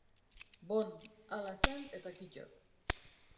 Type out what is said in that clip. Bon, hala zen eta kitto.